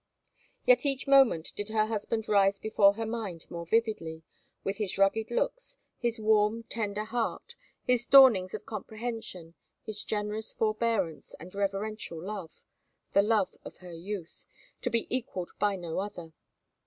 Yet each moment did her husband rise before her mind more vividly, with his rugged looks, his warm, tender heart, his dawnings of comprehension, his generous forbearance and reverential love—the love of her youth—to be equalled by no other.